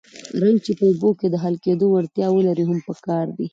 رنګ چې په اوبو کې د حل کېدو وړتیا ولري هم پکار دی.